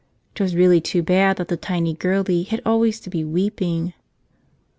'Twas really too bad that the tiny girlie had always to be weeping.